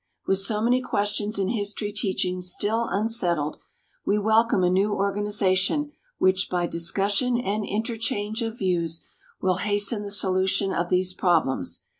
With so many questions in history teaching still unsettled, we welcome a new organization which by discussion and interchange of views will hasten the solution of these problems.